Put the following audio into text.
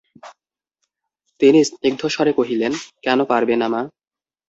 তিনি স্নিগ্ধস্বরে কহিলেন, কেন পারবে না মা?